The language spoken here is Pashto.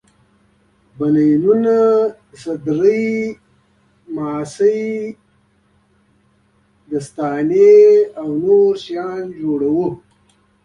بنینونه واسکټونه جورابې دستکشې او نور شیان جوړوي.